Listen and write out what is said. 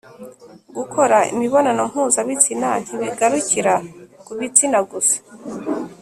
Gukora imibonano mpuzabitsina ntibigarukira ku bitsina gusa